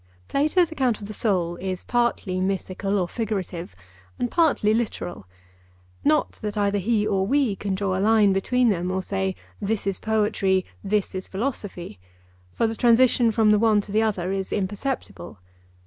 Plato's account of the soul is partly mythical or figurative, and partly literal. Not that either he or we can draw a line between them, or say, 'This is poetry, this is philosophy'; for the transition from the one to the other is imperceptible.